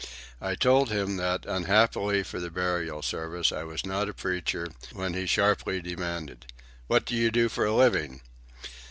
I told him that, unhappily for the burial service, I was not a preacher, when he sharply demanded: "What do you do for a living?"